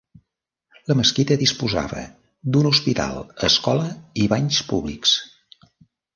La mesquita disposava d'un hospital, escola i banys públics.